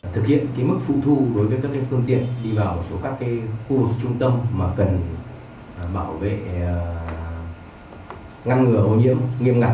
thực hiện mức phụ thu đối với các phương tiện đi vào một số các khu vực trung tâm mà cần bảo vệ ngăn ngừa ô nhiễm nghiêm ngặt